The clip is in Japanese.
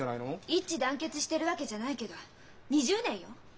一致団結してるわけじゃないけど２０年よ！？